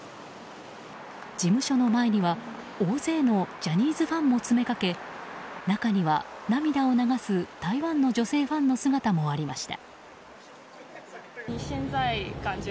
事務所の前には、大勢のジャニーズファンも詰めかけ中には、涙を流す台湾の女性ファンの姿もありました。